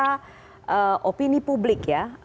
dari opini publik ya